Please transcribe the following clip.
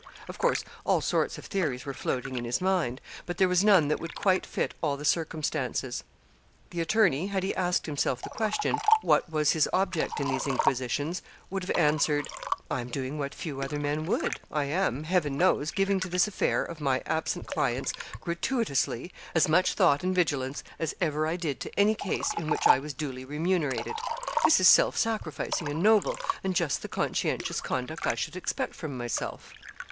Of course, all sorts of theories were floating in his mind; but there was none that would quite fit all the circumstances. The attorney, had he asked himself the question, what was his object in these inquisitions, would have answered 'I am doing what few other men would. I am, Heaven knows, giving to this affair of my absent client's, gratuitously, as much thought and vigilance as ever I did to any case in which I was duly remunerated. This is self sacrificing and noble, and just the conscientious conduct I should expect from myself.'